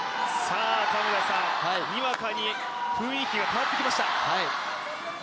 にわかに雰囲気が変わってきました。